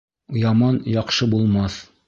Яман яҡшы булмаҫ.